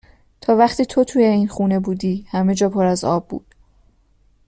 تا وقتی تو توی این خونه بودی همه جا پر از آب بود